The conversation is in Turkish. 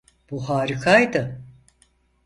Bu harikaydı.